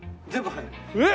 えっ！？